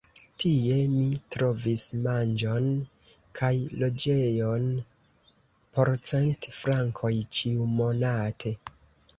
Tie mi trovis manĝon kaj loĝejon por cent frankoj ĉiumonate.